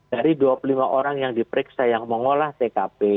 dari dua puluh lima orang yang diperiksa yang mengolah tkp